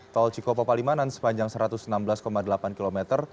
tol cikopo palimanan sepanjang satu ratus enam belas delapan km